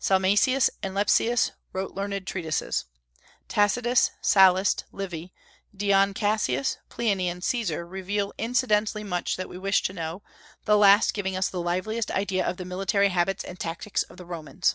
Salmasius and Lepsius wrote learned treatises. Tacitus, Sallust, Livy, Dion Cassius, Pliny, and Caesar reveal incidentally much that we wish to know, the last giving us the liveliest idea of the military habits and tactics of the Romans.